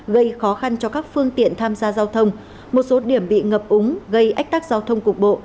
gây khó khăn cho các phương tiện tham gia giao thông một số điểm bị ngập úng gây ách tắc giao thông cục bộ